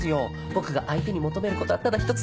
僕が相手に求める事はただ一つ。